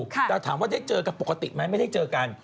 แต่ถามว่าได้เจอกันปกติไหมไม่ได้เจอกัน